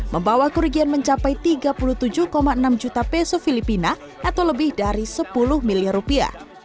membawa kerugian mencapai tiga puluh tujuh enam juta peso filipina atau lebih dari sepuluh miliar rupiah